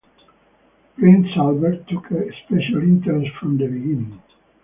Prince Albert took a special interest from the beginning.